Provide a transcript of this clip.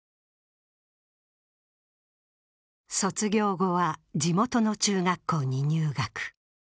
卒業後は地元の中学校に入学。